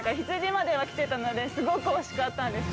◆羊までは来てたので、すごくおしかったです。